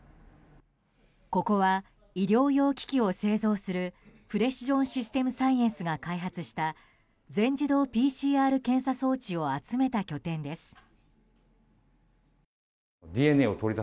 ここは医療用機器を製造するプレシジョン・システム・サイエンスが開発した全自動ＰＣＲ検査装置を集めた拠点です。